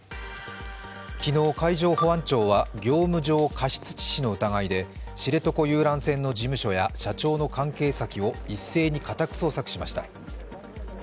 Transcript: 昨日海上保安庁は業務上過失致死の疑いで知床遊覧船の事務所や社長の関係先を一斉に家宅捜索しました。